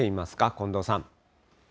近藤さん。